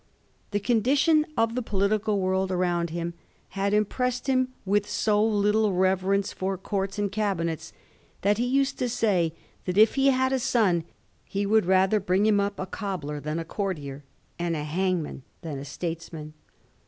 The condition of the political world around hiTn had impressed him with so little reverence for courts and cabinets, that he used to say if he had a son he would rather bring him up a cobbler than a courtier, and a hangman than a statesman.